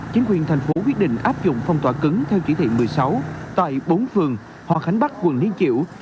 chính quyền thành phố quyết định áp dụng phong tỏa cứng theo chỉ thị một mươi sáu tại bốn phường hòa khánh bắc quận liên triểu